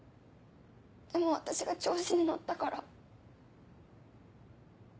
でも私が調子に乗ったから。